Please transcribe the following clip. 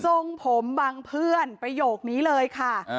ทรงผมบังเพื่อนประโยคนี้เลยค่ะ